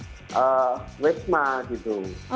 kita belum lagi mempertimbangkan ribuan atlet turun dari wisma